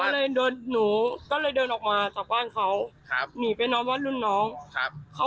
แล้วก็หลังจากนั้นก็หมดสติค่ะ